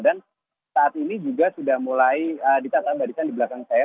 dan saat ini juga sudah mulai ditatap barisan di belakang saya